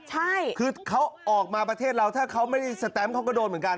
ใช่คือเขาออกมาประเทศเราถ้าเขาไม่ได้สแตมป์เขาก็โดนเหมือนกัน